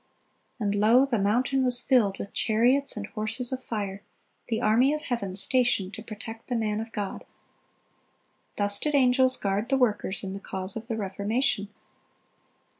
(307) And, lo, the mountain was filled with chariots and horses of fire, the army of heaven stationed to protect the man of God. Thus did angels guard the workers in the cause of the Reformation.